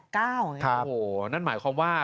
โอ้โหนั่นหมายความว่า